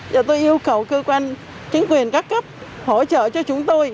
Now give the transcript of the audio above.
giờ tôi yêu cầu cơ quan chính quyền các cấp hỗ trợ cho chúng tôi